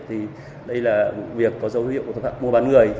thì đây là việc có dấu hiệu của cơ quan mua bán người